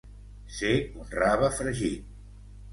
Ser un rave fregit.